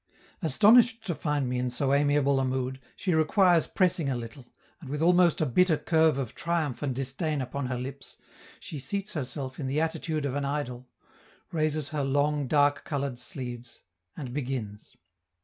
Astonished to find me in so amiable a mood, she requires pressing a little, and with almost a bitter curve of triumph and disdain upon her lips, she seats herself in the attitude of an idol, raises her long, dark colored sleeves, and begins.